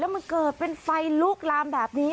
มันเกิดเป็นไฟลุกลามแบบนี้